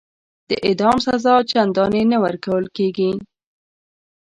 د اعدام سزا چنداني نه ورکول کیږي.